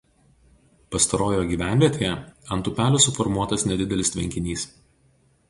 Pastarojoje gyvenvietėje ant upelio suformuotas nedidelis tvenkinys.